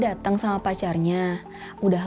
oke gimana teman teman